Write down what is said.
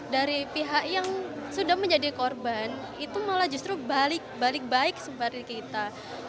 dari pihak yang sudah menjadi korban itu malah justru balik balik baik seperti kita